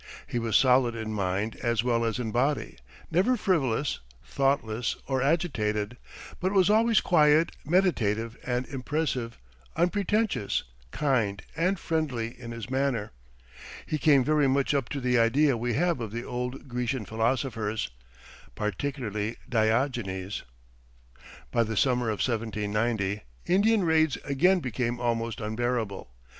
He was solid in mind as well as in body, never frivolous, thoughtless, or agitated; but was always quiet, meditative, and impressive, unpretentious, kind, and friendly in his manner. He came very much up to the idea we have of the old Grecian philosophers particularly Diogenes." By the summer of 1790, Indian raids again became almost unbearable.